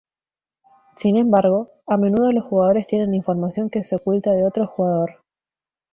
Sin embargo, a menudo los jugadores tienen información que se oculta de otro jugador.